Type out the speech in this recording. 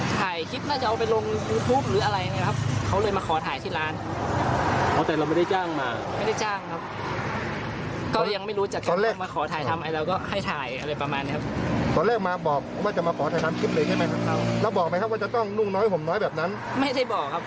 ตามสบายเลยครับอืมอืมเห็นแล้วตกใจไหมตอนแรก